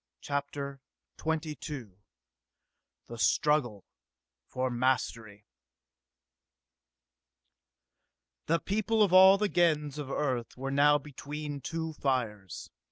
CHAPTER XXII The Struggle for Mastery The people of all the Gens of Earth were now between two fires.